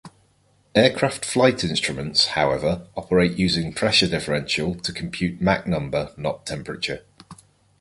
Aircraft flight instruments, however, operate using pressure differential to compute Mach number, not temperature.